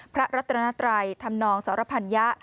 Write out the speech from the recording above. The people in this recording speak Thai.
พระรัตนาตรายธรรมนองสารพัญญะ